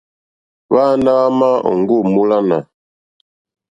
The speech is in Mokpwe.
Hwáāná hwá má òŋɡô mólánà.